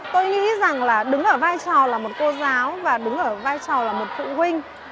tôi nghĩ rằng là đứng ở vai trò là một cô giáo và đứng ở vai trò là một phụ huynh